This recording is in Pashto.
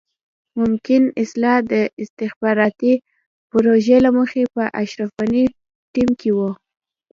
ممکن صالح د استخباراتي پروژې له مخې په اشرف غني ټيم کې وي.